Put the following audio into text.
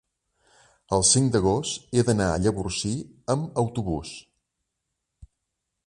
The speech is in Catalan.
el cinc d'agost he d'anar a Llavorsí amb autobús.